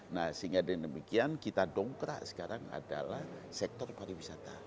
nah sehingga dengan demikian kita dongkrak sekarang adalah sektor pariwisata